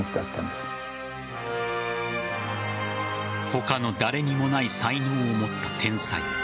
他の誰にもない才能を持った天才。